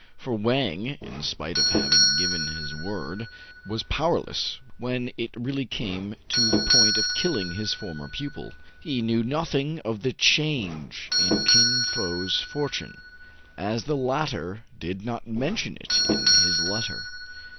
For Wang,, in spite of having given his word, was powerless when it really came to the point of killing his former pupil. He knew nothing of the change in Kin Fo's fortune, as the latter did not mention it in his letter.